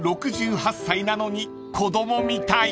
６８歳なのに子供みたい］